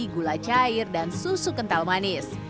gula cair dan susu kental manis